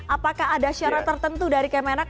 apakah ada syarat tertentu dari kemenak